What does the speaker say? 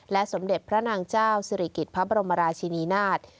สมเด็จพระนางเจ้าสิริกิจพระบรมราชินีนาฏ